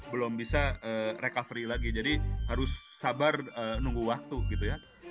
belum bisa recovery lagi jadi harus sabar nunggu waktu gitu ya